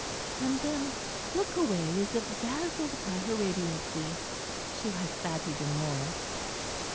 And then look away as if dazzled by her radiancy. She likes that even more."